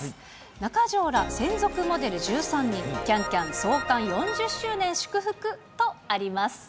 中条ら、専属モデル１３人、キャンキャン創刊４０周年祝福とあります。